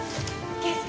圭介